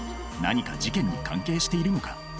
何か事件に関係しているのか？